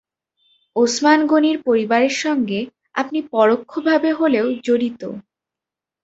ওসমান গনির পরিবারের সঙ্গে আপনি পরোক্ষভাবে হলেও জড়িত।